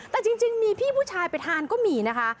แต่จริงมีพี่ผู้ชายไปทานก็มีนะคะ